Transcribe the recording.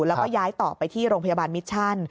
แล้วก็ย้ายต่อไปที่โรงพยาบาลมิชชั่น